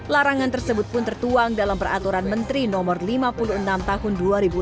larangan tersebut pun tertuang dalam peraturan menteri no lima puluh enam tahun dua ribu enam belas